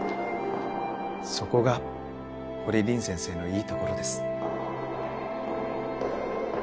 そこが堀凛先生のいいところです。